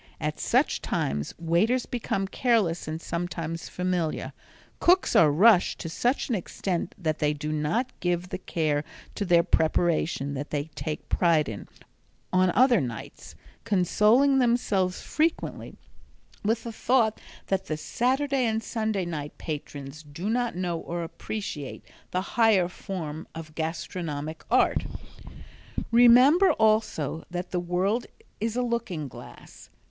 At such times waiters become careless and sometimes familiar. Cooks are rushed to such an extent that they do not give the care to their preparation that they take pride in on other nights, consoling themselves frequently with the thought that the Saturday and Sunday night patrons do not know or appreciate the highest form of gastronomic art. Remember, also, that the world is a looking glass.